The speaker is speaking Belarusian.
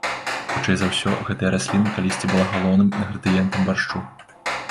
Хутчэй за ўсё, гэтая расліна калісьці была галоўным інгрэдыентам баршчу.